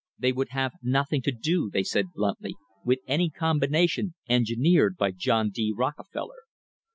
They would have nothing to do, they said bluntly, with any combination engineered by John D. Rockefeller.